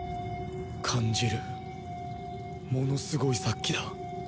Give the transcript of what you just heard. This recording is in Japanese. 感じるものすごい殺気だ